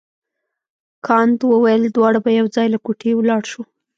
کانت وویل دواړه به یو ځای له کوټې ولاړ شو.